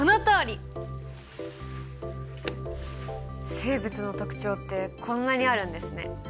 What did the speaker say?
生物の特徴ってこんなにあるんですね。